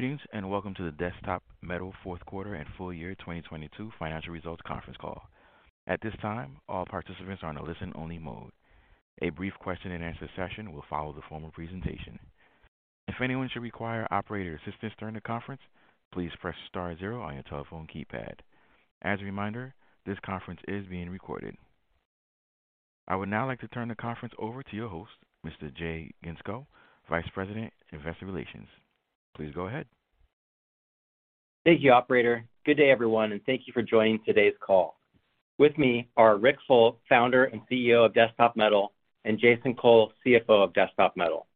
Greetings, and welcome to the Desktop Metal Fourth Quarter and Full Year 2022 Financial Results Conference Call. At this time, all participants are on a listen-only mode. A brief question-and-answer session will follow the formal presentation. If anyone should require operator assistance during the conference, please press star zero on your telephone keypad. As a reminder, this conference is being recorded. I would now like to turn the conference over to your host, Mr. Jay Gentzkow, Vice President, Investor Relations. Please go ahead. Thank you, operator. Good day, everyone, and thank you for joining today's call. With me are Ric Fulop, Founder and CEO of Desktop Metal, and Jason Cole, CFO of Desktop Metal.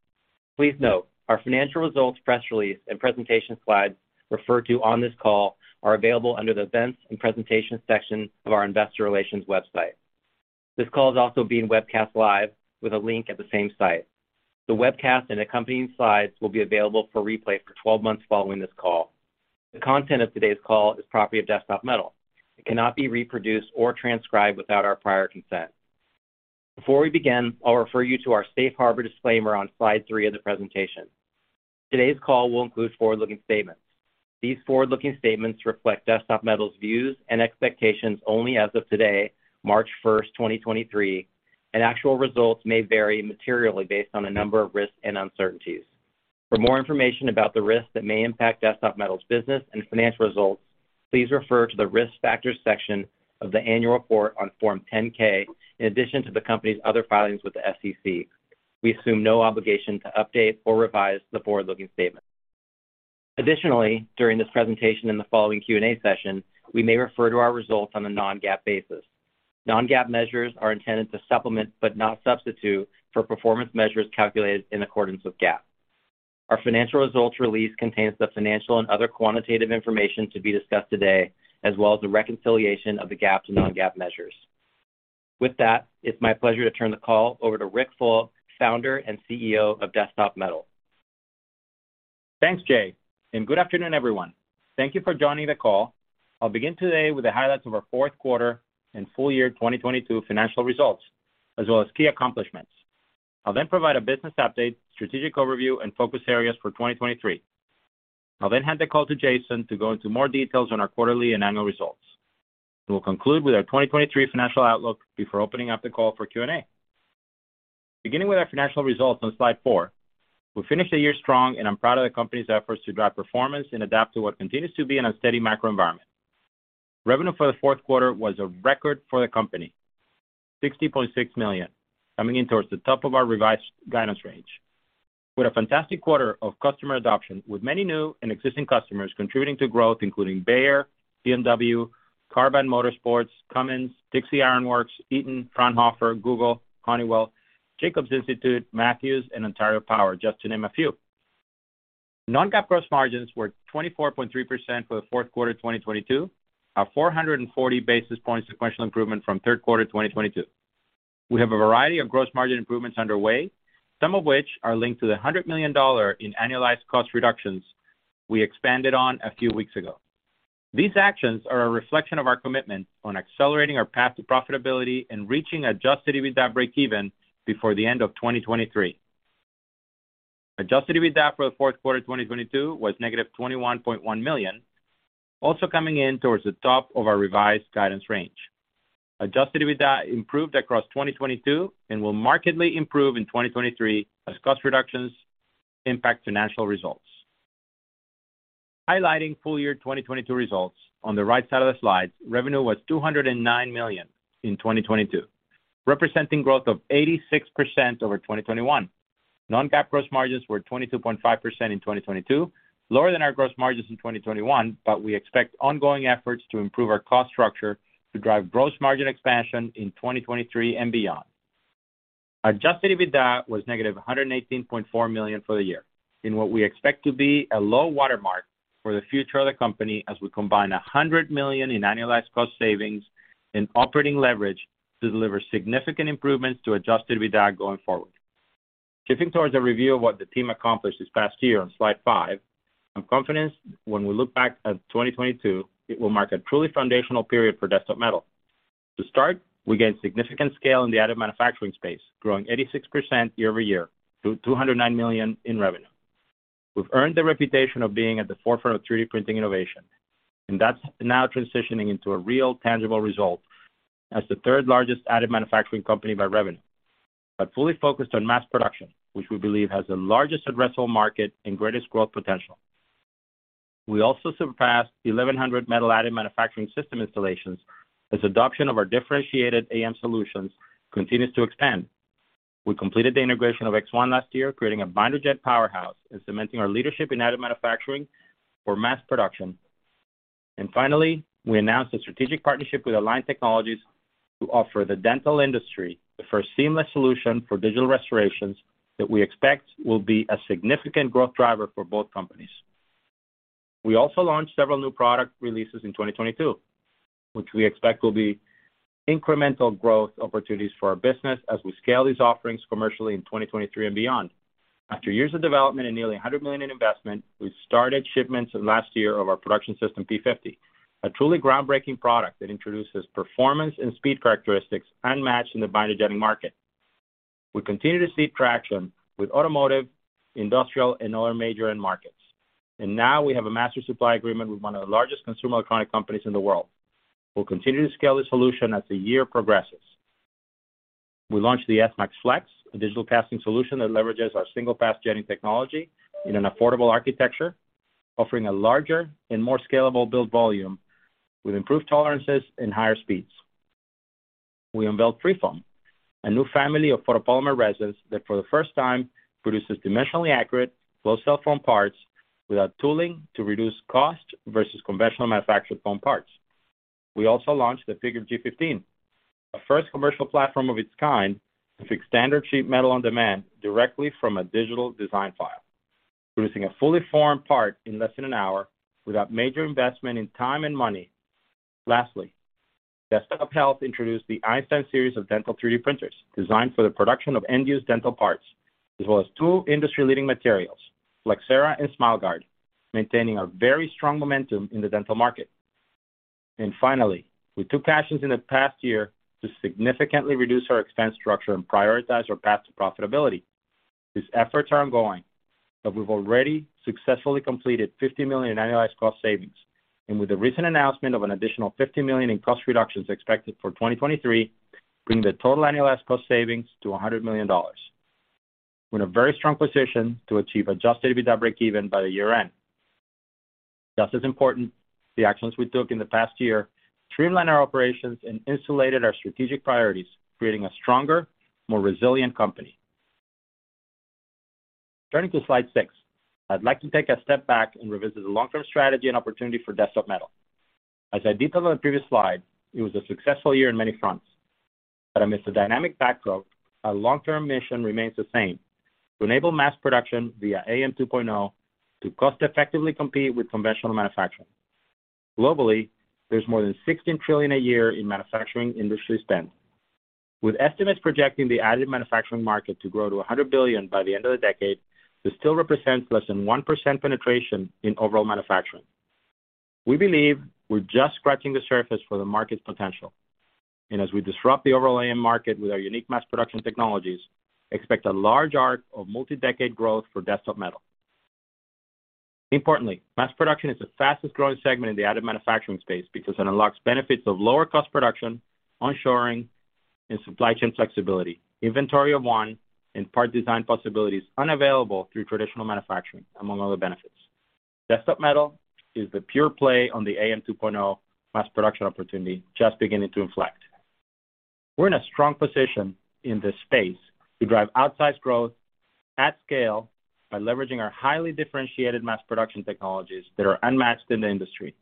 Please note, our financial results, press release, and presentation slides referred to on this call are available under the Events and Presentation section of our investor relations website. This call is also being webcast live with a link at the same site. The webcast and accompanying slides will be available for replay for 12 months following this call. The content of today's call is property of Desktop Metal. It cannot be reproduced or transcribed without our prior consent. Before we begin, I'll refer you to our safe harbor disclaimer on slide three of the presentation. Today's call will include forward-looking statements. These forward-looking statements reflect Desktop Metal's views and expectations only as of today, March 1st, 2023. Actual results may vary materially based on a number of risks and uncertainties. For more information about the risks that may impact Desktop Metal's business and financial results, please refer to the Risk Factors section of the annual report on Form 10-K, in addition to the company's other filings with the SEC. We assume no obligation to update or revise the forward-looking statements. Additionally, during this presentation and the following Q&A session, we may refer to our results on a non-GAAP basis. Non-GAAP measures are intended to supplement, but not substitute, for performance measures calculated in accordance with GAAP. Our financial results release contains the financial and other quantitative information to be discussed today, as well as the reconciliation of the GAAP to non-GAAP measures. With that, it's my pleasure to turn the call over to Ric Fulop, Founder and CEO of Desktop Metal. Thanks, Jay. Good afternoon, everyone. Thank you for joining the call. I'll begin today with the highlights of our fourth quarter and full year 2022 financial results, as well as key accomplishments. I'll provide a business update, strategic overview, and focus areas for 2023. I'll hand the call to Jason to go into more details on our quarterly and annual results. We'll conclude with our 2023 financial outlook before opening up the call for Q&A. Beginning with our financial results on slide four, we finished the year strong. I'm proud of the company's efforts to drive performance and adapt to what continues to be an unsteady macro environment. Revenue for the fourth quarter was a record for the company, $60.6 million, coming in towards the top of our revised guidance range. We had a fantastic quarter of customer adoption, with many new and existing customers contributing to growth, including Bayer, BMW, Carbon Motorsports, Cummins, Dixie Iron Works, Eaton, Fraunhofer, Google, Honeywell, Jacobs Institute, Matthews, and Ontario Power, just to name a few. Non-GAAP gross margins were 24.3% for the fourth quarter 2022, a 440 basis points sequential improvement from third quarter 2022. We have a variety of gross margin improvements underway, some of which are linked to the $100 million in annualized cost reductions we expanded on a few weeks ago. These actions are a reflection of our commitment on accelerating our path to profitability and reaching Adjusted EBITDA breakeven before the end of 2023. Adjusted EBITDA for the fourth quarter 2022 was -$21.1 million, also coming in towards the top of our revised guidance range. Adjusted EBITDA improved across 2022 and will markedly improve in 2023 as cost reductions impact financial results. Highlighting full year 2022 results on the right side of the slide, Revenue was $209 million in 2022, representing growth of 86% over 2021. Non-GAAP gross margins were 22.5% in 2022, lower than our gross margins in 2021, but we expect ongoing efforts to improve our cost structure to drive gross margin expansion in 2023 and beyond. Adjusted EBITDA was -$118.4 million for the year, in what we expect to be a low watermark for the future of the company as we combine $100 million in annualized cost savings and operating leverage to deliver significant improvements to Adjusted EBITDA going forward. Shifting towards a review of what the team accomplished this past year on slide five, I'm confident when we look back at 2022, it will mark a truly foundational period for Desktop Metal. To start, we gained significant scale in the additive manufacturing space, growing 86% year-over-year to $209 million in revenue. We've earned the reputation of being at the forefront of 3D printing innovation, and that's now transitioning into a real tangible result as the third largest additive manufacturing company by revenue, but fully focused on mass production, which we believe has the largest addressable market and greatest growth potential. We also surpassed 1,100 metal additive manufacturing system installations as adoption of our differentiated AM solutions continues to expand. We completed the integration of ExOne last year, creating binder jet powerhouse and cementing our leadership in additive manufacturing for mass production. Finally, we announced a strategic partnership with Align Technology to offer the dental industry the first seamless solution for digital restorations that we expect will be a significant growth driver for both companies. We also launched several new product releases in 2022, which we expect will be incremental growth opportunities for our business as we scale these offerings commercially in 2023 and beyond. After years of development and nearly $100 million in investment, we started shipments last year of our Production System P-50, a truly groundbreaking product that introduces performance and speed characteristics unmatched in binder jetting market. We continue to see traction with automotive, industrial, and other major end markets. Now we have a master supply agreement with one of the largest consumer electronic companies in the world. We'll continue to scale the solution as the year progresses. We launched the S-Max Flex, a digital casting solution that leverages our Single Pass Jetting technology in an affordable architecture, offering a larger and more scalable build volume with improved tolerances and higher speeds. We unveiled FreeFoam, a new family of photopolymer resins that for the first time produces dimensionally accurate closed-cell foam parts without tooling to reduce cost versus conventional manufactured foam parts. We also launched the Figur G15, the first commercial platform of its kind to fix standard sheet metal on demand directly from a digital design file, producing a fully formed part in less than an hour without major investment in time and money. Lastly, Desktop Health introduced the Einstein series of dental 3D printers designed for the production of end-use dental parts, as well as two industry-leading materials, Flexcera and SmileGuard, maintaining our very strong momentum in the dental market. Finally, we took actions in the past year to significantly reduce our expense structure and prioritize our path to profitability. These efforts are ongoing, but we've already successfully completed $50 million in annualized cost savings, and with the recent announcement of an additional $50 million in cost reductions expected for 2023, bringing the total annualized cost savings to $100 million. We're in a very strong position to achieve Adjusted EBITDA breakeven by the year-end. Just as important, the actions we took in the past year streamlined our operations and insulated our strategic priorities, creating a stronger, more resilient company. Turning to slide six. I'd like to take a step back and revisit the long-term strategy and opportunity for Desktop Metal. As I detailed on the previous slide, it was a successful year on many fronts. Amidst the dynamic backdrop, our long-term mission remains the same, to enable mass production via AM 2.0 to cost effectively compete with conventional manufacturing. Globally, there's more than $16 trillion a year in manufacturing industry spend. With estimates projecting the additive manufacturing market to grow to $100 billion by the end of the decade, this still represents less than 1% penetration in overall manufacturing. We believe we're just scratching the surface for the market's potential. As we disrupt the overall AM market with our unique mass production technologies, expect a large arc of multi-decade growth for Desktop Metal. Importantly, mass production is the fastest-growing segment in the additive manufacturing space because it unlocks benefits of lower cost production, onshoring, and supply chain flexibility, inventory of one, and part design possibilities unavailable through traditional manufacturing, among other benefits. Desktop Metal is the pure play on the AM 2.0 mass production opportunity just beginning to inflect. We're in a strong position in this space to drive outsized growth at scale by leveraging our highly differentiated mass production technologies that are unmatched in the industry.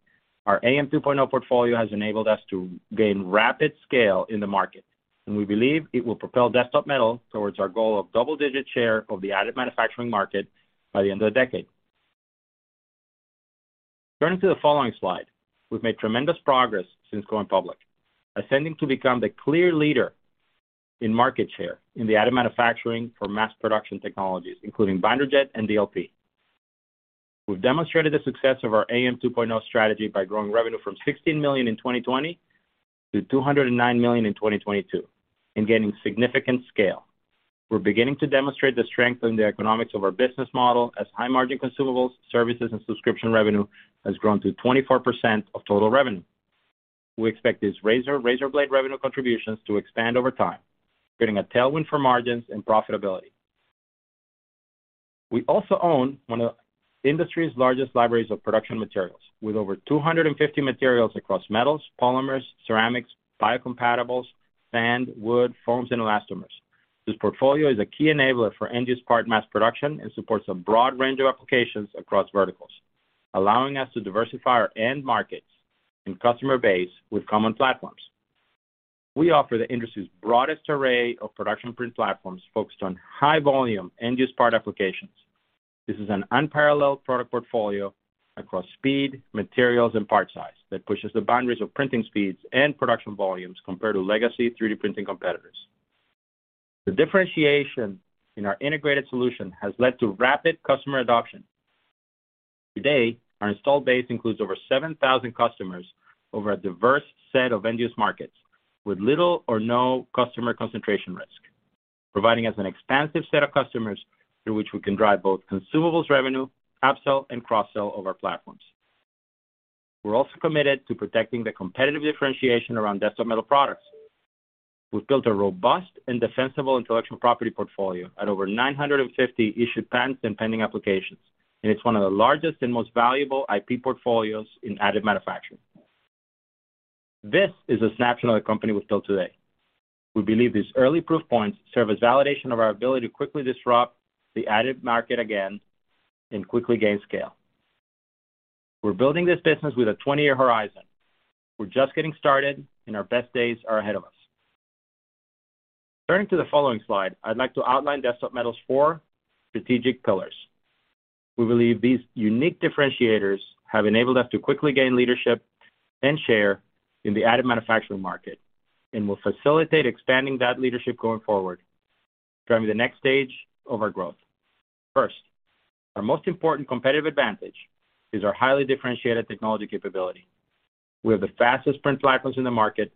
Our AM 2.0 portfolio has enabled us to gain rapid scale in the market, and we believe it will propel Desktop Metal towards our goal of double-digit share of the additive manufacturing market by the end of the decade. Turning to the following slide. We've made tremendous progress since going public, ascending to become the clear leader in market share in the additive manufacturing for mass production technologies, binder jet and DLP. We've demonstrated the success of our AM 2.0 strategy by growing revenue from $16 million in 2020 to $209 million in 2022 and gaining significant scale. We're beginning to demonstrate the strength in the economics of our business model as high margin consumables, services, and subscription revenue has grown to 24% of total revenue. We expect these razor-razorblade revenue contributions to expand over time, creating a tailwind for margins and profitability. We also own one of the industry's largest libraries of production materials with over 250 materials across metals, polymers, ceramics, biocompatibles, sand, wood, foams, and elastomers. This portfolio is a key enabler for end use part mass production and supports a broad range of applications across verticals, allowing us to diversify our end markets and customer base with common platforms. We offer the industry's broadest array of production print platforms focused on high volume end use part applications. This is an unparalleled product portfolio across speed, materials, and part size that pushes the boundaries of printing speeds and production volumes compared to legacy 3D printing competitors. The differentiation in our integrated solution has led to rapid customer adoption. Today, our installed base includes over 7,000 customers over a diverse set of end use markets with little or no customer concentration risk, providing us an expansive set of customers through which we can drive both consumables revenue, upsell, and cross-sell of our platforms. We're also committed to protecting the competitive differentiation around Desktop Metal products. We've built a robust and defensible intellectual property portfolio at over 950 issued patents and pending applications, and it's one of the largest and most valuable IP portfolios in additive manufacturing. This is a snapshot of the company we've built today. We believe these early proof points serve as validation of our ability to quickly disrupt the additive market again and quickly gain scale. We're building this business with a 20-year horizon. We're just getting started, and our best days are ahead of us. Turning to the following slide, I'd like to outline Desktop Metal's four strategic pillars. We believe these unique differentiators have enabled us to quickly gain leadership and share in the additive manufacturing market and will facilitate expanding that leadership going forward, driving the next stage of our growth. Our most important competitive advantage is our highly differentiated technology capability. We have the fastest print platforms in the market,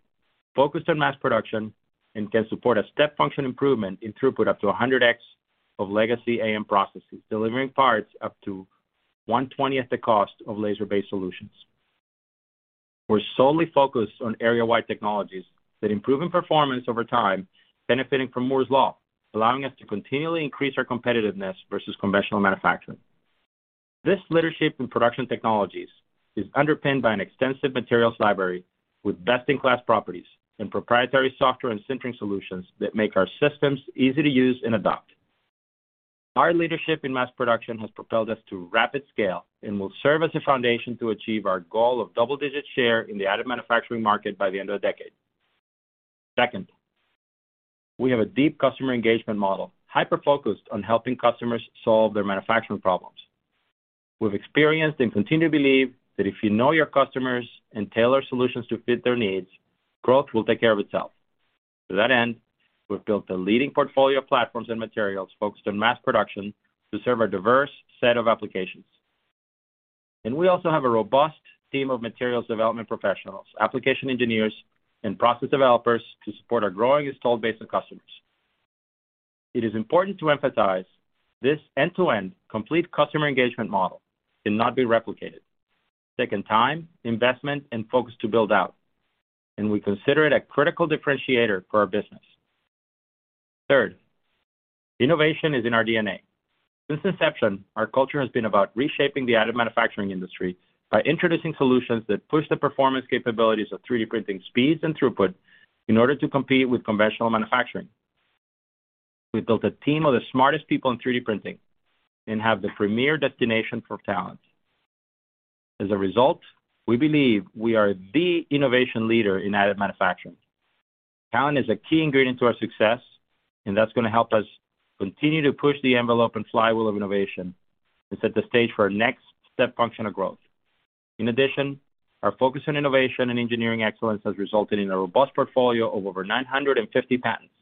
focused on mass production, and can support a step function improvement in throughput up to 100x of legacy AM processes, delivering parts up to 1/20 the cost of laser-based solutions. We're solely focused on area-wide technologies that improve in performance over time, benefiting from Moore's Law, allowing us to continually increase our competitiveness versus conventional manufacturing. This leadership in production technologies is underpinned by an extensive materials library with best-in-class properties and proprietary software and centering solutions that make our systems easy to use and adopt. Our leadership in mass production has propelled us to rapid scale and will serve as a foundation to achieve our goal of double-digit share in the additive manufacturing market by the end of the decade. Second, we have a deep customer engagement model, hyper-focused on helping customers solve their manufacturing problems. We've experienced and continue to believe that if you know your customers and tailor solutions to fit their needs, growth will take care of itself. To that end, we've built a leading portfolio of platforms and materials focused on mass production to serve our diverse set of applications. We also have a robust team of materials development professionals, application engineers, and process developers to support our growing installed base of customers. It is important to emphasize this end-to-end complete customer engagement model cannot be replicated. It's taken time, investment, and focus to build out, and we consider it a critical differentiator for our business. Third, innovation is in our DNA. Since inception, our culture has been about reshaping the additive manufacturing industry by introducing solutions that push the performance capabilities of 3D printing speeds and throughput in order to compete with conventional manufacturing. We've built a team of the smartest people in 3D printing and have the premier destination for talent. As a result, we believe we are the innovation leader in additive manufacturing. Talent is a key ingredient to our success, and that's gonna help us continue to push the envelope and flywheel of innovation and set the stage for our next step function of growth. In addition, our focus on innovation and engineering excellence has resulted in a robust portfolio of over 950 patents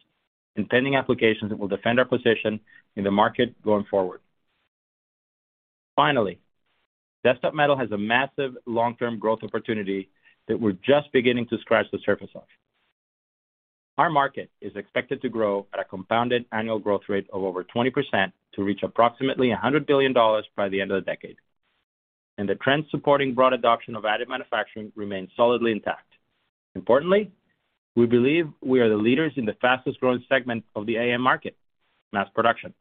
and pending applications that will defend our position in the market going forward. Finally, Desktop Metal has a massive long-term growth opportunity that we're just beginning to scratch the surface of. Our market is expected to grow at a compounded annual growth rate of over 20% to reach approximately $100 billion by the end of the decade. The trends supporting broad adoption of additive manufacturing remain solidly intact. Importantly, we believe we are the leaders in the fastest-growing segment of the AM market, mass production.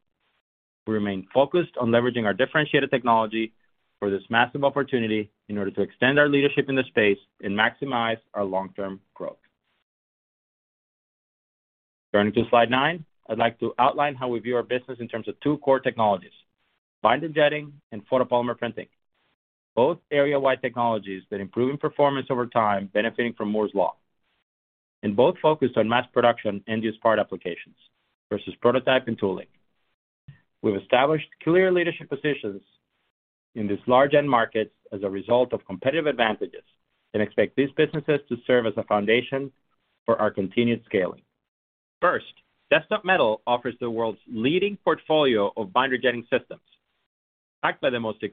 We remain focused on leveraging our differentiated technology for this massive opportunity in order to extend our leadership in this space and maximize our long-term growth. Turning to slide nine, I'd like to outline how we view our business in terms of two core binder jetting and Photopolymer Printing, both area-wide technologies that improve in performance over time benefiting from Moore's Law. Both focused on mass production end-use part applications versus prototype and tooling. We've established clear leadership positions in these large end markets as a result of competitive advantages and expect these businesses to serve as a foundation for our continued scaling. First, Desktop Metal offers the world's leading portfolio binder jetting systems, backed by the most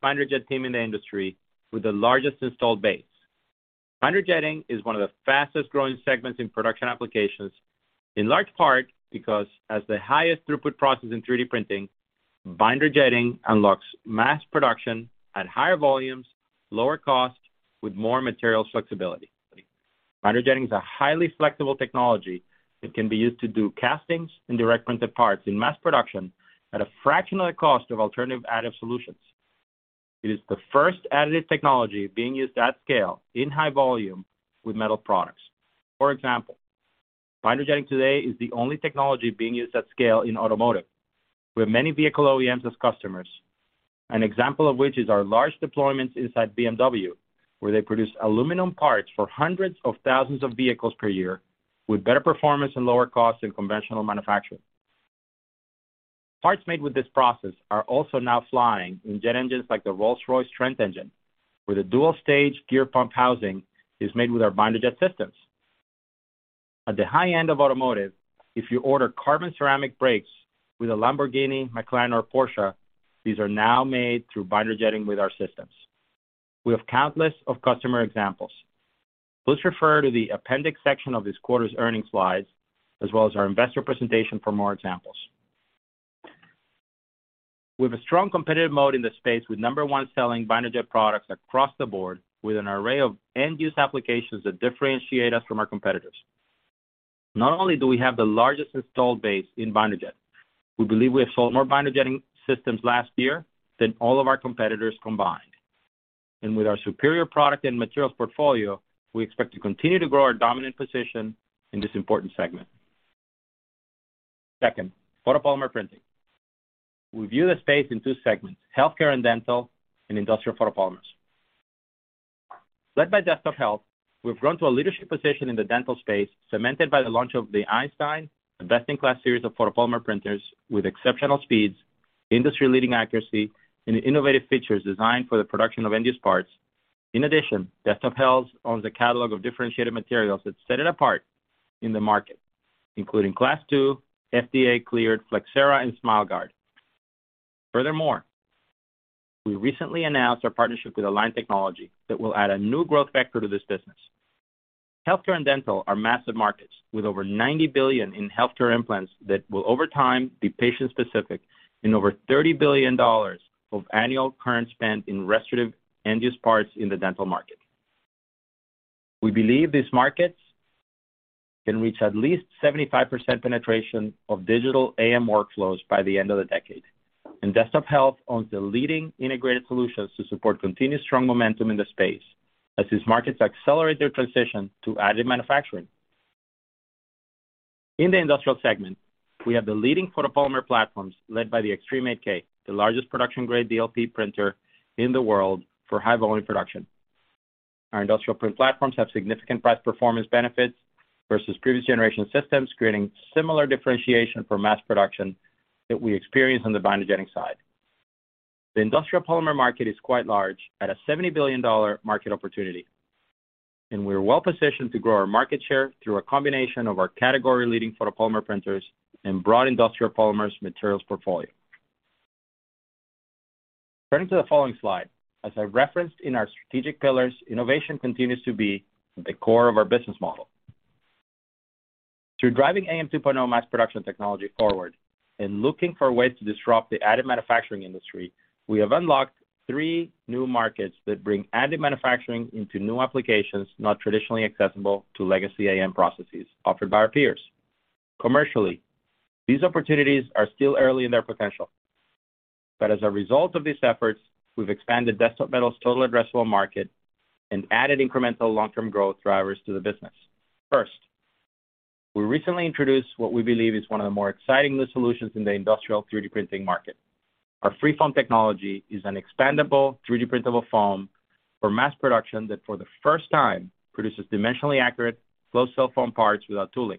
binder jet team in the industry with the largest installed base. Binder jetting is one of the fastest-growing segments in production applications, in large part because, as the highest throughput process in 3D binder jetting unlocks mass production at higher volumes, lower cost, with more material flexibility. Binder jetting is a highly flexible technology that can be used to do castings and direct printed parts in mass production at a fraction of the cost of alternative additive solutions. It is the first additive technology being used at scale in high volume with metal products. For binder jetting today is the only technology being used at scale in automotive. We have many vehicle OEMs as customers, an example of which is our large deployments inside BMW, where they produce aluminum parts for hundreds of thousands of vehicles per year with better performance and lower cost than conventional manufacturing. Parts made with this process are also now flying in jet engines like the Rolls-Royce Trent engine, where the dual-stage gear pump housing is made with binder jet systems. At the high end of automotive, if you order carbon ceramic brakes with a Lamborghini, McLaren, or Porsche, these are now made binder jetting with our systems. We have countless of customer examples. Please refer to the appendix section of this quarter's earnings slides as well as our investor presentation for more examples. We have a strong competitive mode in this space with number one binder jet products across the board with an array of end-use applications that differentiate us from our competitors. Not only do we have the largest installed base binder jet, we believe we have sold binder jetting systems last year than all of our competitors combined. With our superior product and materials portfolio, we expect to continue to grow our dominant position in this important segment. Second, Photopolymer Printing. We view the space in two segments, Healthcare and Dental, and Industrial Photopolymers. Led by Desktop Health, we've grown to a leadership position in the dental space, cemented by the launch of the Einstein, a best-in-class series of photopolymer printers with exceptional speeds, industry-leading accuracy, and innovative features designed for the production of end-use parts. Desktop Health owns a catalog of differentiated materials that set it apart in the market, including Class II, FDA-cleared Flexcera and SmileGuard. We recently announced our partnership with Align Technology that will add a new growth factor to this business. Healthcare and Dental are massive markets with over $90 billion in healthcare implants that will over time be patient specific in over $30 billion of annual current spend in restorative end use parts in the Dental market. We believe these markets can reach at least 75% penetration of digital AM workflows by the end of the decade. Desktop Health owns the leading integrated solutions to support continuous strong momentum in the space as these markets accelerate their transition to additive manufacturing. In the industrial segment, we have the leading photopolymer platforms led by the Xtreme 8K, the largest production grade DLP printer in the world for high-volume production. Our industrial print platforms have significant price performance benefits versus previous generation systems, creating similar differentiation for mass production that we experience on binder jetting side. The industrial polymer market is quite large at a $70 billion market opportunity, we're well-positioned to grow our market share through a combination of our category-leading photopolymer printers and broad industrial polymers materials portfolio. Turning to the following slide. As I referenced in our strategic pillars, innovation continues to be the core of our business model. Through driving AM 2.0 mass production technology forward and looking for ways to disrupt the additive manufacturing industry, we have unlocked three new markets that bring additive manufacturing into new applications, not traditionally accessible to legacy AM processes offered by our peers. Commercially, these opportunities are still early in their potential. As a result of these efforts, we've expanded Desktop Metal's total addressable market and added incremental long-term growth drivers to the business. First, we recently introduced what we believe is one of the more exciting new solutions in the industrial 3D printing market. Our FreeFoam technology is an expandable 3D printable foam for mass production that for the first time produces dimensionally accurate closed-cell foam parts without tooling.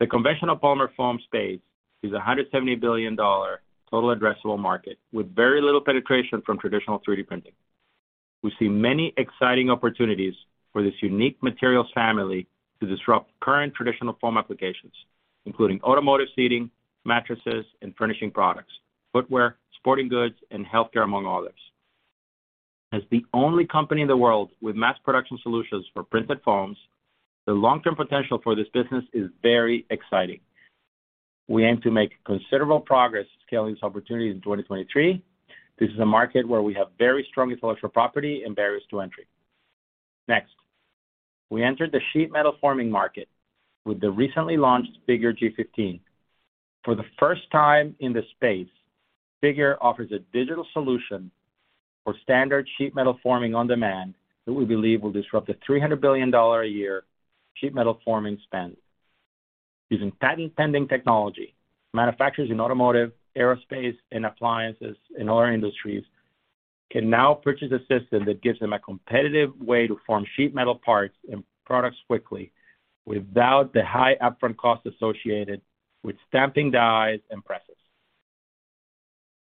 The conventional polymer foam space is a $170 billion total addressable market with very little penetration from traditional 3D printing. We see many exciting opportunities for this unique materials family to disrupt current traditional foam applications, including automotive seating, mattresses, and furnishing products, footwear, sporting goods, and healthcare, among others. As the only company in the world with mass production solutions for printed foams, the long-term potential for this business is very exciting. We aim to make considerable progress scaling this opportunity in 2023. This is a market where we have very strong intellectual property and barriers to entry. Next, we entered the sheet metal forming market with the recently launched Figur G15. For the first time in this space, Figur offers a digital solution for standard sheet metal forming on demand that we believe will disrupt the $300 billion a year sheet metal forming spend. Using patent-pending technology, manufacturers in Automotive, Aerospace, and Appliances, and other industries can now purchase a system that gives them a competitive way to form sheet metal parts and products quickly without the high upfront costs associated with stamping dyes and presses.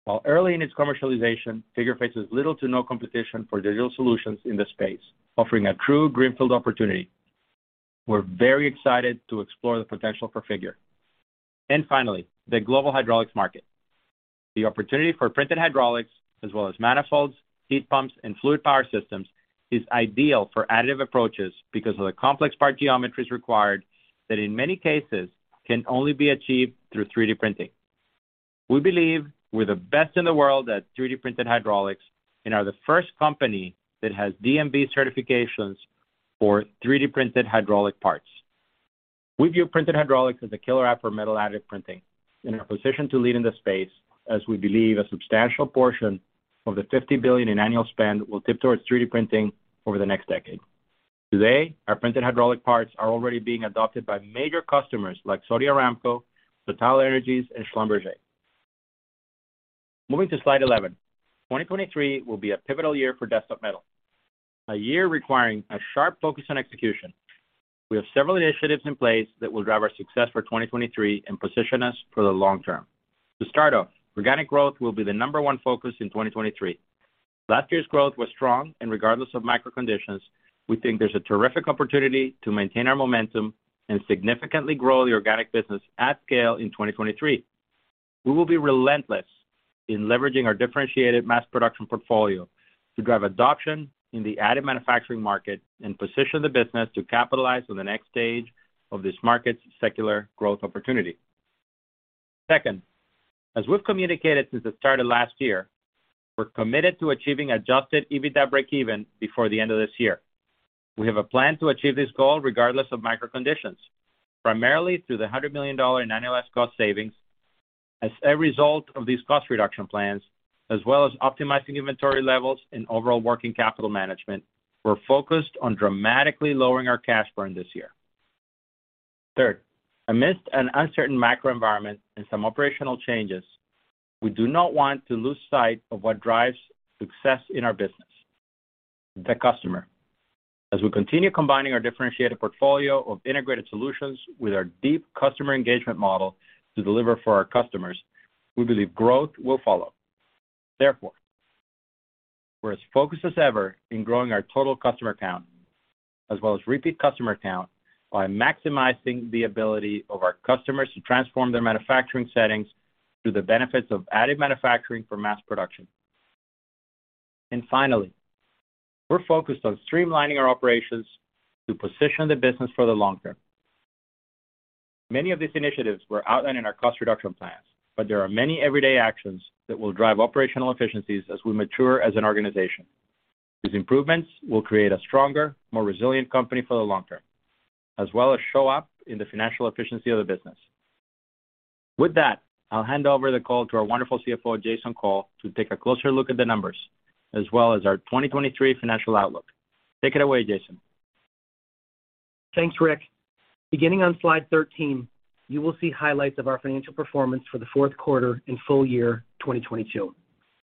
While early in its commercialization, Figur faces little to no competition for digital solutions in this space, offering a true greenfield opportunity. We're very excited to explore the potential for Figur. Finally, the Global Hydraulics market. The opportunity for printed hydraulics as well as manifolds, heat pumps, and fluid power systems is ideal for additive approaches because of the complex part geometries required that in many cases can only be achieved through 3D printing. We believe we're the best in the world at 3D printed hydraulics and are the first company that has DNV certifications for 3D printed hydraulic parts. We view printed hydraulics as a killer app for metal additive printing and are positioned to lead in this space as we believe a substantial portion of the $50 billion in annual spend will tip towards 3D printing over the next decade. Today, our printed hydraulic parts are already being adopted by major customers like Saudi Aramco, TotalEnergies, and Schlumberger. Moving to slide 11. 2023 will be a pivotal year for Desktop Metal, a year requiring a sharp focus on execution. We have several initiatives in place that will drive our success for 2023 and position us for the long term. To start off, organic growth will be the number one focus in 2023. Last year's growth was strong. Regardless of macro conditions, we think there's a terrific opportunity to maintain our momentum and significantly grow the organic business at scale in 2023. We will be relentless in leveraging our differentiated mass production portfolio to drive adoption in the additive manufacturing market and position the business to capitalize on the next stage of this market's secular growth opportunity. Second, as we've communicated since the start of last year, we're committed to achieving Adjusted EBITDA breakeven before the end of this year. We have a plan to achieve this goal regardless of macro conditions, primarily through the $100 million in annualized cost savings. As a result of these cost reduction plans, as well as optimizing inventory levels and overall working capital management, we're focused on dramatically lowering our cash burn this year. Third, amidst an uncertain macro environment and some operational changes, we do not want to lose sight of what drives success in our business, the customer. As we continue combining our differentiated portfolio of integrated solutions with our deep customer engagement model to deliver for our customers, we believe growth will follow. We're as focused as ever in growing our total customer count, as well as repeat customer count by maximizing the ability of our customers to transform their manufacturing settings through the benefits of additive manufacturing for mass production. Finally, we're focused on streamlining our operations to position the business for the long term. Many of these initiatives were outlined in our cost reduction plans, but there are many everyday actions that will drive operational efficiencies as we mature as an organization. These improvements will create a stronger, more resilient company for the long term, as well as show up in the financial efficiency of the business. With that, I'll hand over the call to our wonderful CFO, Jason Cole, to take a closer look at the numbers as well as our 2023 financial outlook. Take it away, Jason. Thanks, Ric. Beginning on slide 13, you will see highlights of our financial performance for the fourth quarter and full year 2022.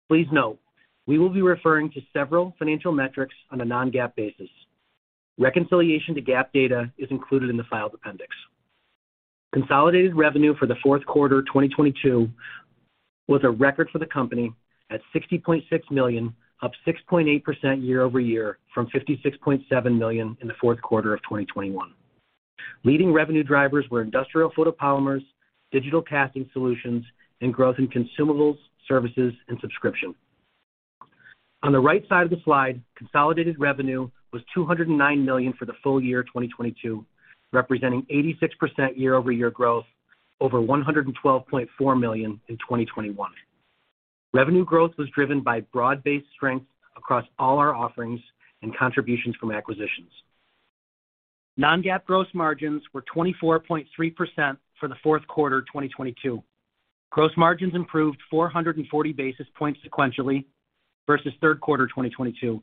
Please note, we will be referring to several financial metrics on a non-GAAP basis. Reconciliation to GAAP data is included in the filed appendix. Consolidated Revenue for the fourth quarter 2022 was a record for the company at $60.6 million, up 6.8% year-over-year from $56.7 million in the fourth quarter of 2021. Leading revenue drivers were industrial photopolymers, digital casting solutions, and growth in consumables, services, and subscription. On the right side of the slide, Consolidated Revenue was $209 million for the full year 2022, representing 86% year-over-year growth over $112.4 million in 2021. Revenue growth was driven by broad-based strength across all our offerings and contributions from acquisitions. Non-GAAP gross margins were 24.3% for the fourth quarter 2022. Gross margins improved 440 basis points sequentially versus third quarter 2022,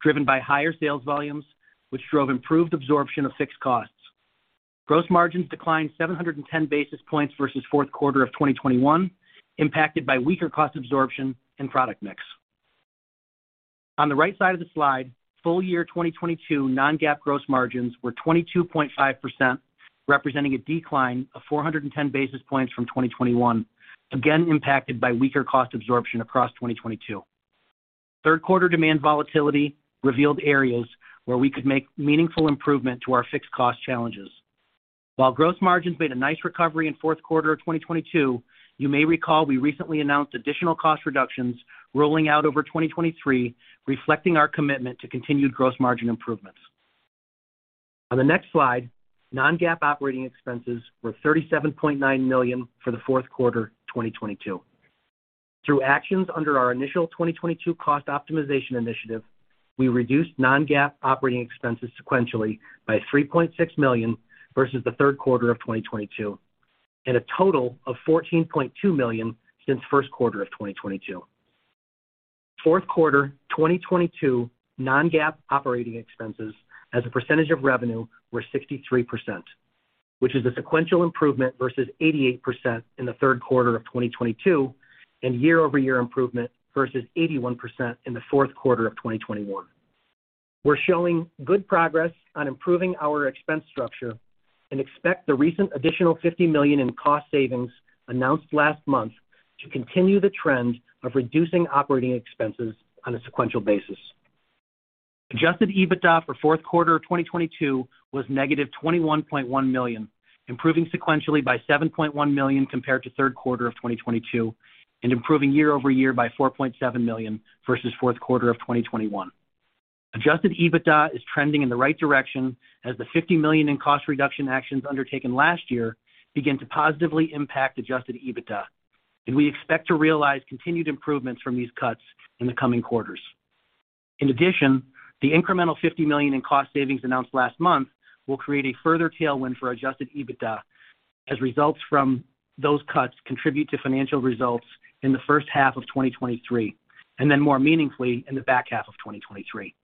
driven by higher sales volumes, which drove improved absorption of fixed costs. Gross margins declined 710 basis points versus fourth quarter of 2021, impacted by weaker cost absorption and product mix. On the right side of the slide, full year 2022 non-GAAP gross margins were 22.5%, representing a decline of 410 basis points from 2021, again impacted by weaker cost absorption across 2022. Third quarter demand volatility revealed areas where we could make meaningful improvement to our fixed cost challenges. While gross margins made a nice recovery in fourth quarter of 2022, you may recall we recently announced additional cost reductions rolling out over 2023, reflecting our commitment to continued gross margin improvements. On the next slide, non-GAAP operating expenses were $37.9 million for the fourth quarter 2022. Through actions under our initial 2022 cost optimization initiative, we reduced non-GAAP operating expenses sequentially by $3.6 million versus the third quarter of 2022, and a total of $14.2 million since first quarter of 2022. Fourth quarter 2022 non-GAAP operating expenses as a percentage of revenue were 63%, which is a sequential improvement versus 88% in the third quarter of 2022 and year-over-year improvement versus 81% in the fourth quarter of 2021. We're showing good progress on improving our expense structure and expect the recent additional $50 million in cost savings announced last month to continue the trend of reducing operating expenses on a sequential basis. Adjusted EBITDA for fourth quarter of 2022 was -$21.1 million, improving sequentially by $7.1 million compared to third quarter of 2022, and improving year-over-year by $4.7 million versus fourth quarter of 2021. Adjusted EBITDA is trending in the right direction as the $50 million in cost reduction actions undertaken last year begin to positively impact Adjusted EBITDA, and we expect to realize continued improvements from these cuts in the coming quarters. In addition, the incremental $50 million in cost savings announced last month will create a further tailwind for Adjusted EBITDA as results from those cuts contribute to financial results in the first half of 2023, and then more meaningfully in the back half of 2023.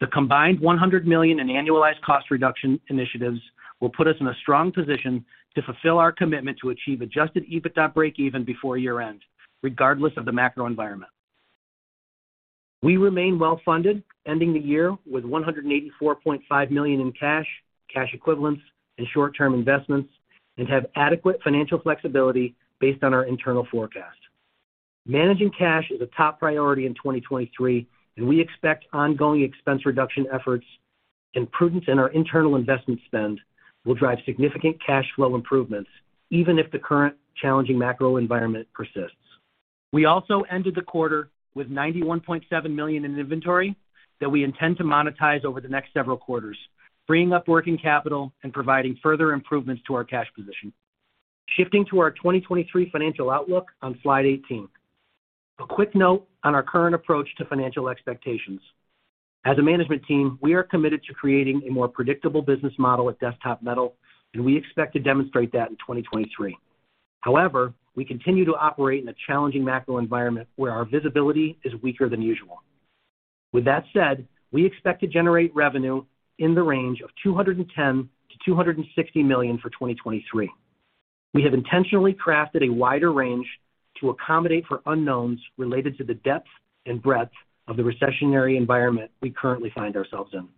The combined $100 million in annualized cost reduction initiatives will put us in a strong position to fulfill our commitment to achieve Adjusted EBITDA breakeven before year-end, regardless of the macro environment. We remain well-funded, ending the year with $184.5 million in cash equivalents, and short-term investments, and have adequate financial flexibility based on our internal forecast. Managing cash is a top priority in 2023, and we expect ongoing expense reduction efforts and prudence in our internal investment spend will drive significant cash flow improvements, even if the current challenging macro environment persists. We also ended the quarter with $91.7 million in inventory that we intend to monetize over the next several quarters, freeing up working capital and providing further improvements to our cash position. Shifting to our 2023 financial outlook on slide 18. A quick note on our current approach to financial expectations. As a management team, we are committed to creating a more predictable business model at Desktop Metal. We expect to demonstrate that in 2023. However, we continue to operate in a challenging macro environment where our visibility is weaker than usual. With that said, we expect to generate revenue in the range of $210 million-$260 million for 2023. We have intentionally crafted a wider range to accommodate for unknowns related to the depth and breadth of the recessionary environment we currently find ourselves in.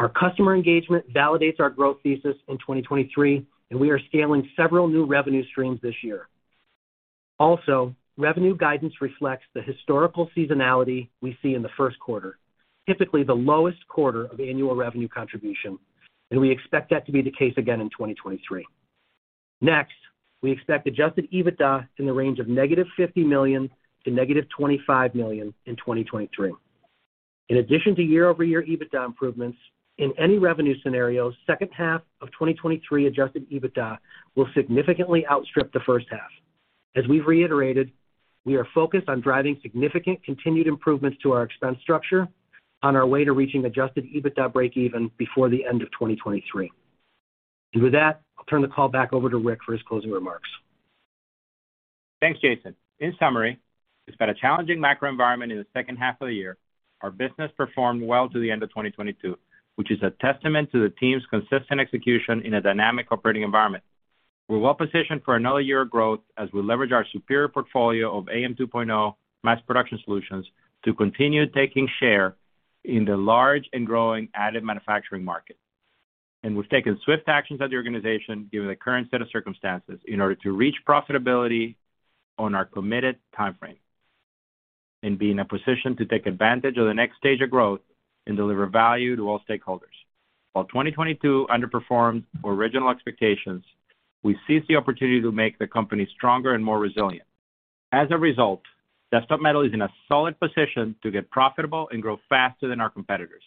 Our customer engagement validates our growth thesis in 2023. We are scaling several new revenue streams this year. Revenue guidance reflects the historical seasonality we see in the first quarter, typically the lowest quarter of annual revenue contribution. We expect that to be the case again in 2023. We expect Adjusted EBITDA in the range of -$50 million to -$25 million in 2023. In addition to year-over-year Adjusted EBITDA improvements in any revenue scenario, second half of 2023 Adjusted EBITDA will significantly outstrip the first half. As we've reiterated, we are focused on driving significant continued improvements to our expense structure on our way to reaching Adjusted EBITDA breakeven before the end of 2023. With that, I'll turn the call back over to Ric for his closing remarks. Thanks, Jason. In summary, despite a challenging macro environment in the second half of the year, our business performed well to the end of 2022, which is a testament to the team's consistent execution in a dynamic operating environment. We're well positioned for another year of growth as we leverage our superior portfolio of AM 2.0 mass production solutions to continue taking share in the large and growing additive manufacturing market. We've taken swift actions at the organization given the current set of circumstances in order to reach profitability on our committed timeframe and be in a position to take advantage of the next stage of growth and deliver value to all stakeholders. While 2022 underperformed original expectations, we seized the opportunity to make the company stronger and more resilient. As a result, Desktop Metal is in a solid position to get profitable and grow faster than our competitors.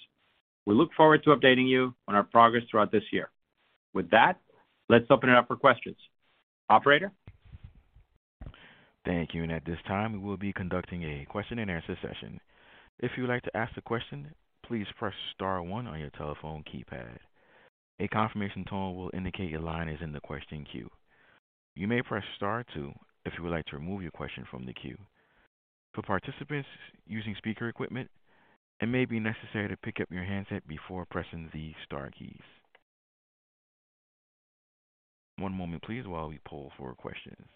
We look forward to updating you on our progress throughout this year. With that, let's open it up for questions. Operator? Thank you. At this time, we will be conducting a question-and-answer session. If you would like to ask a question, please press star one on your telephone keypad. A confirmation tone will indicate your line is in the question queue. You may press star two if you would like to remove your question from the queue. For participants using speaker equipment, it may be necessary to pick up your handset before pressing the star keys. One moment please while we poll for questions.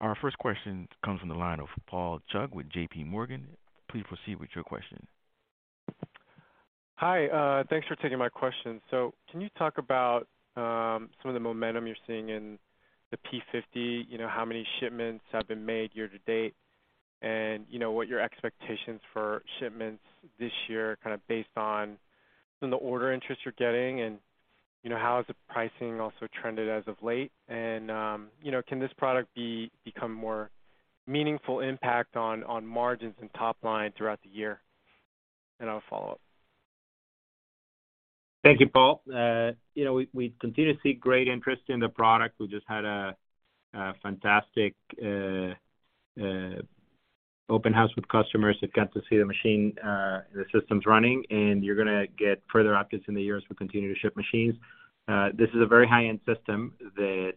Our first question comes from the line of Paul [Chug] with J.P. Morgan. Please proceed with your question. Hi, thanks for taking my question. Can you talk about some of the momentum you're seeing in the P-50? You know, how many shipments have been made year to date? You know, what your expectations for shipments this year are kind of based on some of the order interest you're getting. You know, how has the pricing also trended as of late? You know, can this product become more meaningful impact on margins and top line throughout the year? I'll follow up. Thank you, Paul. you know, we continue to see great interest in the product. We just had a fantastic open house with customers that got to see the machine, the systems running, and you're gonna get further updates in the years as we continue to ship machines. This is a very high-end system that,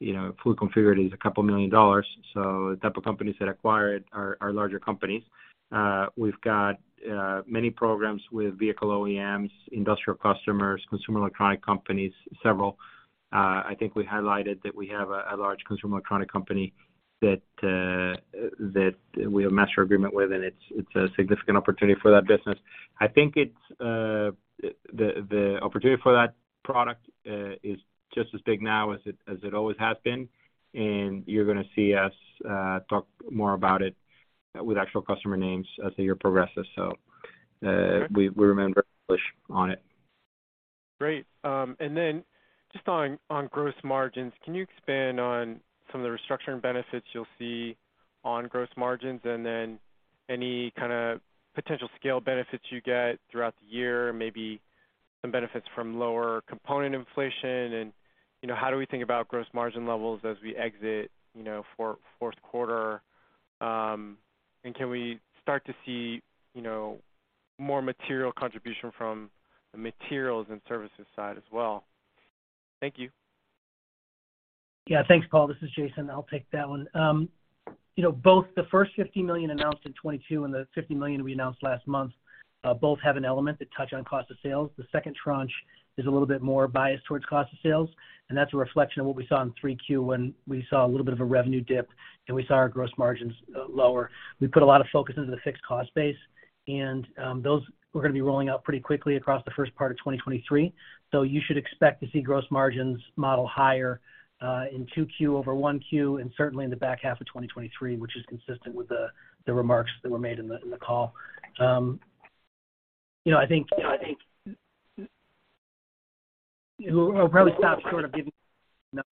you know, fully configured is $2 million. The type of companies that acquire it are larger companies. We've got many programs with vehicle OEMs, industrial customers, consumer electronic companies, several. I think we highlighted that we have a large consumer electronic company that we have a master agreement with, and it's a significant opportunity for that business. I think it's the opportunity for that product is just as big now as it always has been, and you're gonna see us talk more about it with actual customer names as the year progresses. Okay. We remain very bullish on it. Great. Just on gross margins, can you expand on some of the restructuring benefits you'll see on gross margins and then any kind of potential scale benefits you get throughout the year, maybe some benefits from lower component inflation? You know, how do we think about gross margin levels as we exit, you know, fourth quarter? Can we start to see, you know, more material contribution from the materials and services side as well? Thank you. Yeah. Thanks, Paul. This is Jason. I'll take that one. You know both the first $50 million announced in 2022 and the $50 million we announced last month, both have an element that touch on cost of sales. The second tranche is a little bit more biased towards cost of sales, and that's a reflection of what we saw in 3Q when we saw a little bit of a revenue dip and we saw our gross margins lower. We put a lot of focus into the fixed cost base, and those we're gonna be rolling out pretty quickly across the first part of 2023. You should expect to see gross margins model higher in 2Q over 1Q and certainly in the back half of 2023, which is consistent with the remarks that were made in the call. You know, I think we'll probably stop short of giving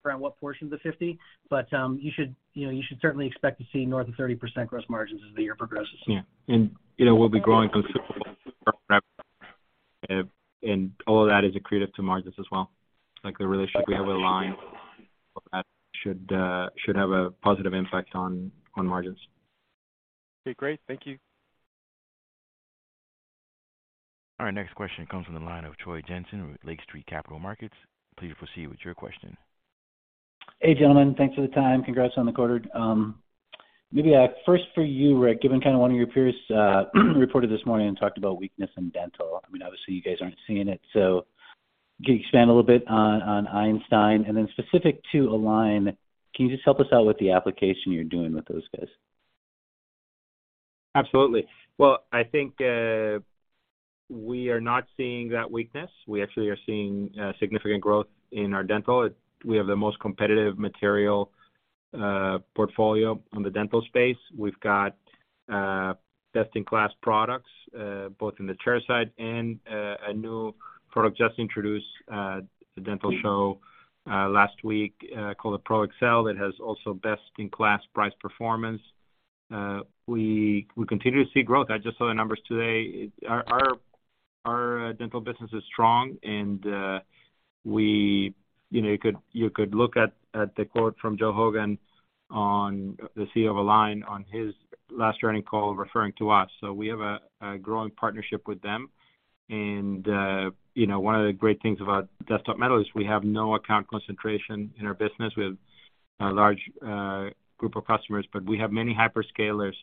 around what portion of the 50%, but you should, you know, certainly expect to see north of 30% gross margins as the year progresses. Yeah. You know, we'll be growing considerably and all of that is accretive to margins as well. Like the relationship we have with LINE should have a positive impact on margins. Okay, great. Thank you. All right, next question comes from the line of Troy Jensen with Lake Street Capital Markets. Please proceed with your question. Hey, gentlemen. Thanks for the time. Congrats on the quarter. Maybe, first for you, Ric, given kind of one of your peers reported this morning and talked about weakness in dental. I mean, obviously you guys aren't seeing it. Can you expand a little bit on Einstein? Specific to Align, can you just help us out with the application you're doing with those guys? Absolutely. Well, I think we are not seeing that weakness. We actually are seeing significant growth in our dental. We have the most competitive material portfolio on the dental space. We've got best-in-class products both in the chairside and a new product just introduced at a dental show last week called the Pro XL, that has also best-in-class price performance. We continue to see growth. I just saw the numbers today. Our dental business is strong and you know, you could look at the quote from Joe Hogan, the CEO of Align, on his last earnings call referring to us. We have a growing partnership with them. You know, one of the great things about Desktop Metal is we have no account concentration in our business. We have a large group of customers, but we have many hyperscalers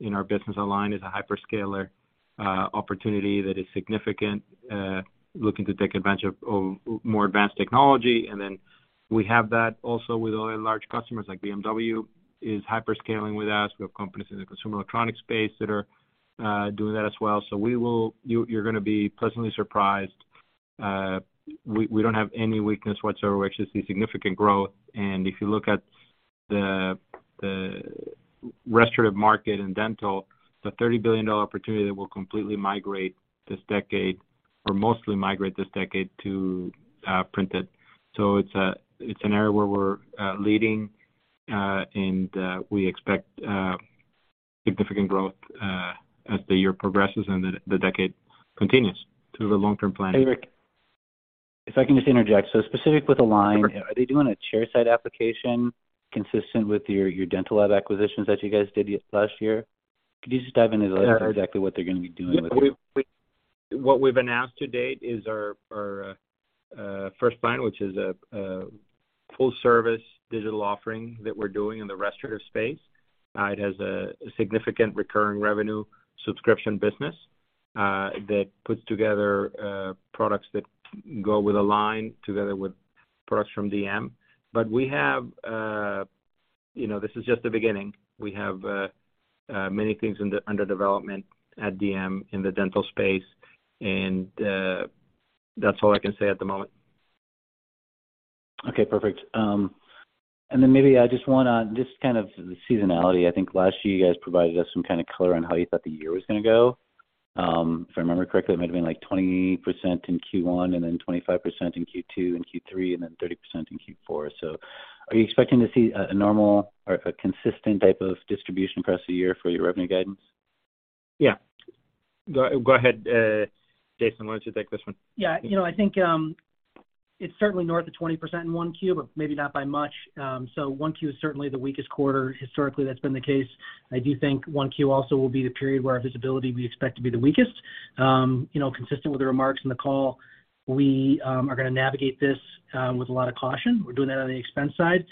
in our business. Align is a hyperscaler opportunity that is significant looking to take advantage of more advanced technology. We have that also with other large customers like BMW is hyperscaling with us. We have companies in the consumer electronics space that are doing that as well. You're gonna be pleasantly surprised. We don't have any weakness whatsoever. We actually see significant growth. If you look at the restorative market in dental, it's a $30 billion opportunity that will completely migrate this decade or mostly migrate this decade to printed. It's, it's an area where we're leading, and we expect significant growth as the year progresses and the decade continues to the long-term plan. Hey, Ric, if I can just interject. Specific with Align-. Sure. Are they doing a chair-side application consistent with your dental lab acquisitions that you guys did last year? Could you just dive into those exactly what they're gonna be doing with it? What we've announced to date is our firstbind, which is a full service digital offering that we're doing in the restorative space. It has a significant recurring revenue subscription business that puts together products that go with Align together with products from DM. We have, you know, this is just the beginning. We have many things under development at DM in the dental space, that's all I can say at the moment. Okay, perfect. Maybe just kind of the seasonality. I think last year you guys provided us some kind of color on how you thought the year was gonna go. If I remember correctly, it might have been like 20% in Q1 and then 25% in Q2 and Q3, and then 30% in Q4. Are you expecting to see a normal or a consistent type of distribution press a year for your revenue guidance? Yeah. Go ahead, Jason, why don't you take this one? Yeah. You know, I think, it's certainly north of 20% in 1Q, but maybe not by much. 1Q is certainly the weakest quarter. Historically, that's been the case. I do think 1Q also will be the period where our visibility, we expect to be the weakest. You know, consistent with the remarks in the call, we are gonna navigate this with a lot of caution. We're doing that on the expense side.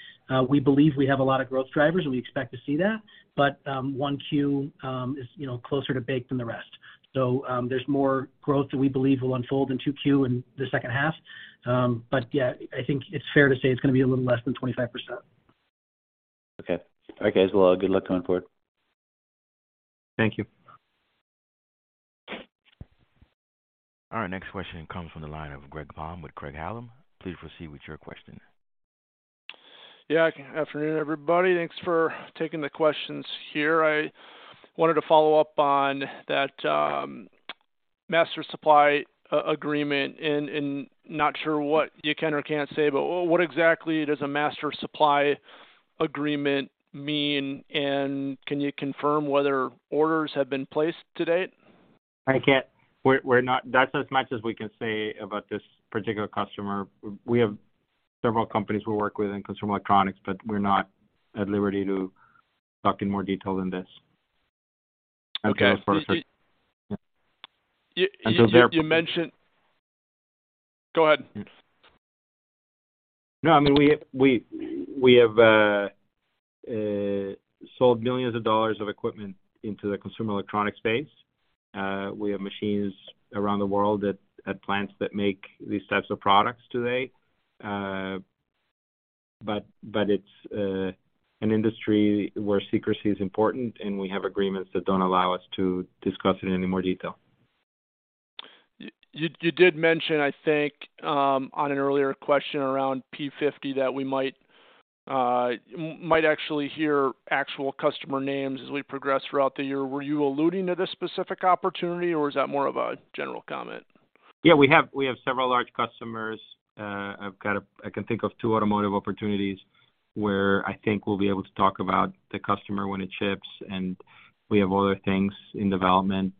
We believe we have a lot of growth drivers, and we expect to see that. 1Q, is, you know, closer to bake than the rest. There's more growth that we believe will unfold in 2Q in the second half. Yeah, I think it's fair to say it's gonna be a little less than 25%. All right, guys. Good luck going forward. Thank you. All right, next question comes from the line of Greg Palm with Craig-Hallum. Please proceed with your question. Yeah. Afternoon, everybody. Thanks for taking the questions here. I wanted to follow up on that, master supply agreement and not sure what you can or can't say, but what exactly does a master supply agreement mean, and can you confirm whether orders have been placed to date? I can't. We're not... That's as much as we can say about this particular customer. We have several companies we work with in consumer electronics, but we're not at liberty to talk in more detail than this. Okay. As far as the- You, you- Until they're public Go ahead. No, I mean, we have sold millions of dollars of equipment into the consumer electronic space. We have machines around the world at plants that make these types of products today. It's an industry where secrecy is important, and we have agreements that don't allow us to discuss it in any more detail. You did mention, I think, on an earlier question around P-50, that we might actually hear actual customer names as we progress throughout the year. Were you alluding to this specific opportunity, or is that more of a general comment? Yeah, we have several large customers. I can think of two automotive opportunities where I think we'll be able to talk about the customer when it ships, and we have other things in development,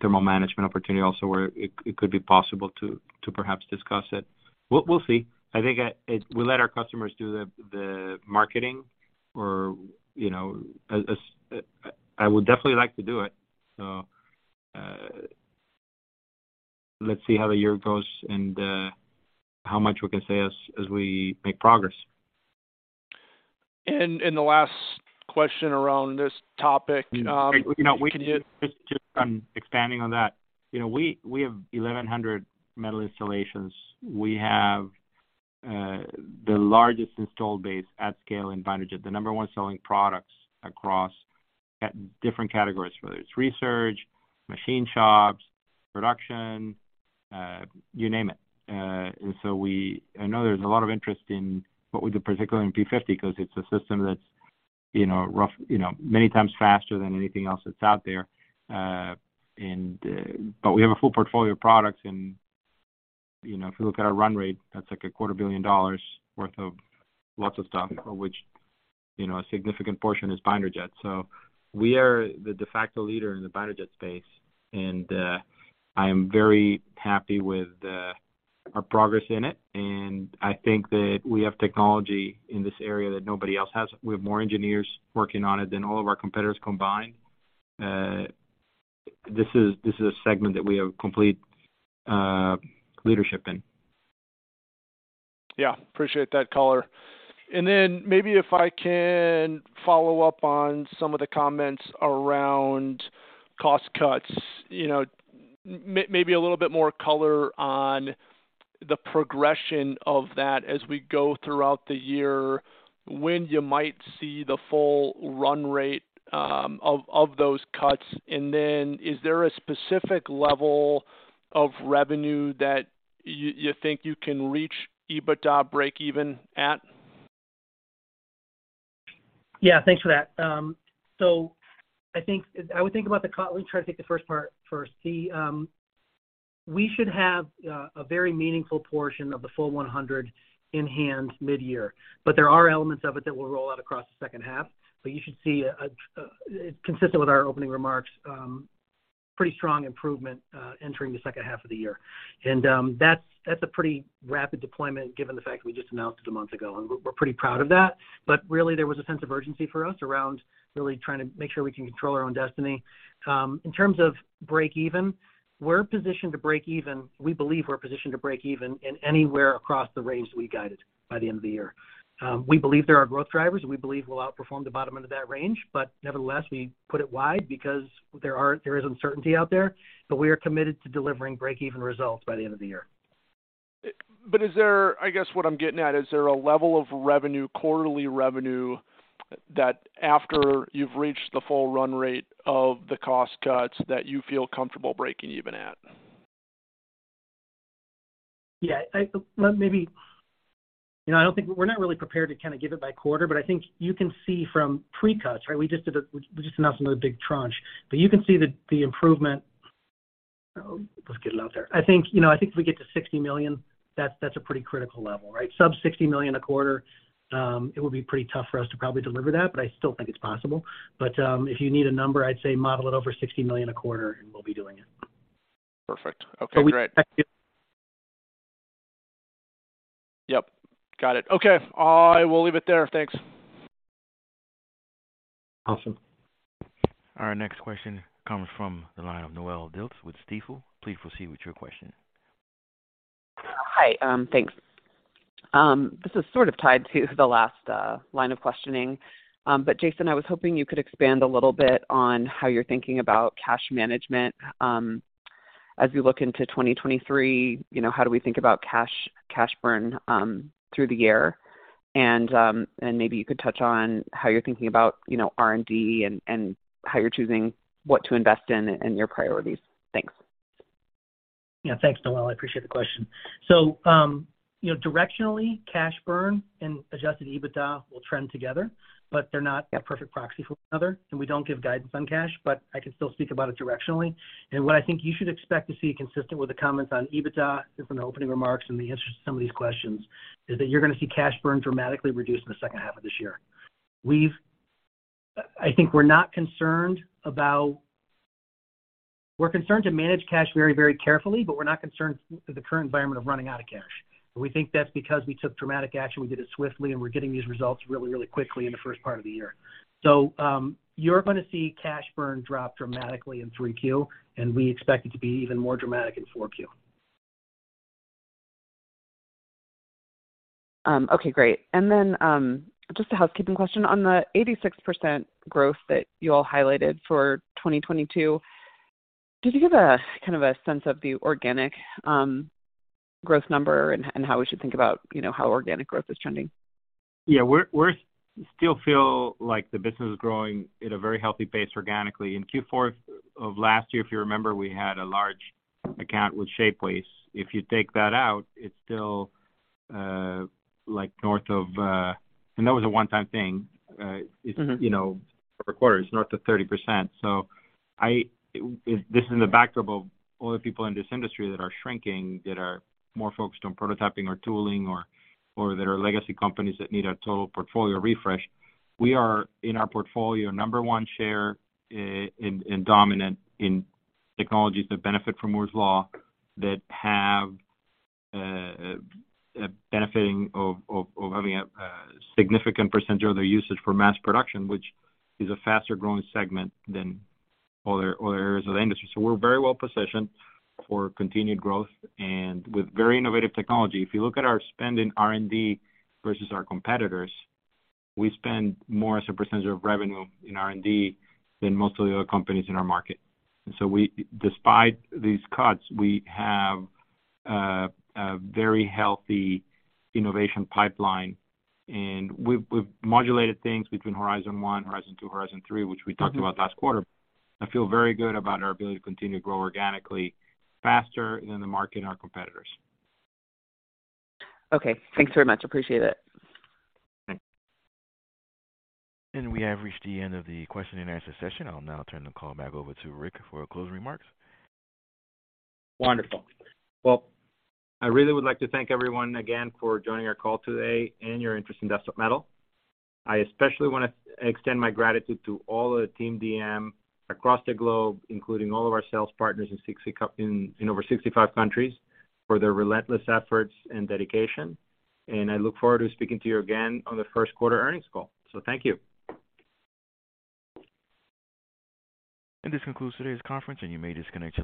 thermal management opportunity also where it could be possible to perhaps discuss it. We'll see. I think we let our customers do the marketing or, you know, as I would definitely like to do it. Let's see how the year goes and how much we can say as we make progress. The last question around this topic. You know, we can just on expanding on that. You know, we have 1,100 metal installations. We have the largest install base at scale in BinderJet, the number one selling products across at different categories, whether it's research, machine shops, production, you name it. I know there's a lot of interest in what we do, particularly in P-50, 'cause it's a system that's, you know, rough, you know, many times faster than anything else that's out there. We have a full portfolio of products and, you know, if you look at our run rate, that's like a quarter billion dollars worth of lots of stuff, of which, you know, a significant portion is BinderJet. We are the de facto leader in the BinderJet space. I am very happy with our progress in it. I think that we have technology in this area that nobody else has. We have more engineers working on it than all of our competitors combined. This is a segment that we have complete leadership in. Yeah. Appreciate that color. Maybe if I can follow up on some of the comments around cost cuts. You know, maybe a little bit more color on the progression of that as we go throughout the year, when you might see the full run rate of those cuts. Is there a specific level of revenue that you think you can reach EBITDA breakeven at? Yeah. Thanks for that. Let me try to take the first part first. We should have a very meaningful portion of the full 100 in hand mid-year. There are elements of it that will roll out across the second half. You should see a consistent with our opening remarks, pretty strong improvement entering the second half of the year. That's a pretty rapid deployment given the fact we just announced it a month ago, and we're pretty proud of that. Really there was a sense of urgency for us around really trying to make sure we can control our own destiny. In terms of breakeven, we're positioned to breakeven. We believe we're positioned to breakeven in anywhere across the range that we guided by the end of the year. We believe there are growth drivers, and we believe we'll outperform the bottom end of that range. Nevertheless, we put it wide because there is uncertainty out there, but we are committed to delivering breakeven results by the end of the year. I guess what I'm getting at, is there a level of revenue, quarterly revenue, that after you've reached the full run rate of the cost cuts, that you feel comfortable breaking even at? Yeah. You know, we're not really prepared to kinda give it by quarter. I think you can see from pre-cuts, right? We just announced another big tranche. You can see the improvement. Let's get it out there. I think, you know, I think if we get to $60 million, that's a pretty critical level, right? Sub $60 million a quarter, it would be pretty tough for us to probably deliver that. I still think it's possible. If you need a number, I'd say model it over $60 million a quarter, we'll be doing it. Perfect. Okay, great. We expect. Yep. Got it. Okay. I will leave it there. Thanks. Awesome. Our next question comes from the line of Noelle Dilts with Stifel. Please proceed with your question. Hi. Thanks. This is sort of tied to the last line of questioning. Jason, I was hoping you could expand a little bit on how you're thinking about cash management as we look into 2023. You know, how do we think about cash burn through the year? Maybe you could touch on how you're thinking about, you know, R&D and how you're choosing what to invest in and your priorities. Thanks. Thanks, Noelle. I appreciate the question. You know, directionally, cash burn and Adjusted EBITDA will trend together, but they're not a perfect proxy for one another. We don't give guidance on cash, but I can still speak about it directionally. What I think you should expect to see consistent with the comments on EBITDA is in the opening remarks and the answers to some of these questions is that you're gonna see cash burn dramatically reduced in the second half of this year. We're concerned to manage cash very, very carefully, but we're not concerned with the current environment of running out of cash. We think that's because we took dramatic action, we did it swiftly, and we're getting these results really, really quickly in the first part of the year. You're gonna see cash burn drop dramatically in three Q, and we expect it to be even more dramatic in four Q. Okay. Great. Just a housekeeping question. On the 86% growth that you all highlighted for 2022, could you give a, kind of a sense of the organic, growth number and how we should think about, you know, how organic growth is trending? Yeah. We're still feel like the business is growing at a very healthy pace organically. In Q4 of last year, if you remember, we had a large account with Shapeways. If you take that out, it's still like north of... That was a one-time thing. Mm-hmm. You know, per quarter, it's north of 30%. This is in the backdrop of all the people in this industry that are shrinking, that are more focused on prototyping or tooling or that are legacy companies that need a total portfolio refresh. We are, in our portfolio, number one share in dominant in technologies that benefit from Moore's Law, that have benefiting of having a significant percentage of their usage for mass production, which is a faster-growing segment than other areas of the industry. We're very well positioned for continued growth and with very innovative technology. If you look at our spend in R&D versus our competitors, we spend more as a percentage of revenue in R&D than most of the other companies in our market. We, despite these cuts, we have a very healthy innovation pipeline, and we've modulated things between Horizon 1, Horizon 2, Horizon 3, which we talked about last quarter. I feel very good about our ability to continue to grow organically faster than the market and our competitors. Okay. Thanks very much. Appreciate it. Thanks. We have reached the end of the question and answer session. I'll now turn the call back over to Ric for closing remarks. Wonderful. Well, I really would like to thank everyone again for joining our call today and your interest in Desktop Metal. I especially wanna extend my gratitude to all the team DM across the globe, including all of our sales partners in over 65 countries, for their relentless efforts and dedication. I look forward to speaking to you again on the first quarter earnings call. Thank you. This concludes today's conference, and you may disconnect your lines.